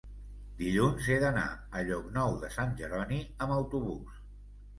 Dilluns he d'anar a Llocnou de Sant Jeroni amb autobús.